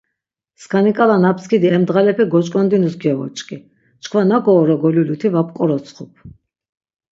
Skani k̆ala na pskidi em dğalepe goç̆k̆ondinuş gevoç̆k̆i. Çkva nak̆o ora goliluti va p̌k̆orotsxup.